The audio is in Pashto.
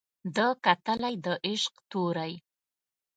ده کتلى د عشق تورى